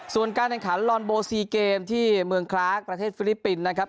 ส่วนการแข่งขันลอนโบซีเกมที่เมืองคลากประเทศฟิลิปปินส์นะครับ